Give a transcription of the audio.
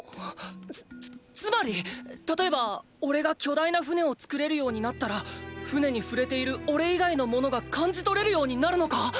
つつつまり例えばおれが巨大な船を作れるようになったら船に触れているおれ以外の物が感じ取れるようになるのか⁉